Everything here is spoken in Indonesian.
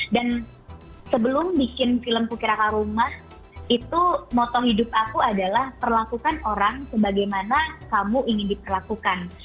dan sebelum bikin film kukiraka rumah itu moto hidup aku adalah perlakukan orang sebagaimana kamu ingin diperlakukan